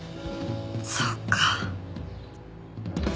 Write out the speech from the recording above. そっか。